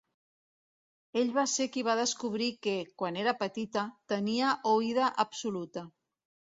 Ell va ser qui va descobrir que, quan era petita, tenia oïda absoluta.